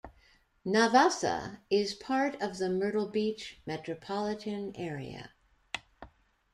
Navassa is part of the Myrtle Beach metropolitan area.